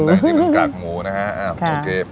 แต่อันนี้มันกากหมูนะฮะโอเค